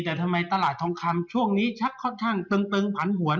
แต่ทำไมตลาดทองคำช่วงนี้ชักค่อนข้างตึงผันผวน